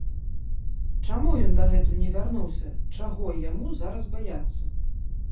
Чаму ён дагэтуль не вярнуўся, чаго яму зараз баяцца?